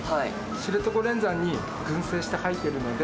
知床連山に群生して生えてるので。